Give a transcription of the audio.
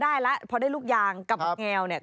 นำพอได้ลูกยางกับแงวเนี่ย